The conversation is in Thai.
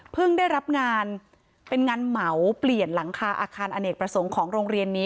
ได้รับงานเป็นงานเหมาเปลี่ยนหลังคาอาคารอเนกประสงค์ของโรงเรียนนี้